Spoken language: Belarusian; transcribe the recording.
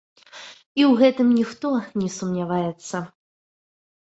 І ў гэтым ніхто не сумняваецца.